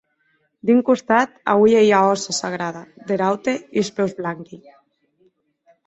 D’un costat auie ua hòssa sagrada; der aute uns peus blanqui.